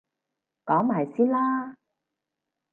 講埋先啦